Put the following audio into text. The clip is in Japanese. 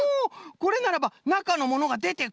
これならばなかのものがでてこない！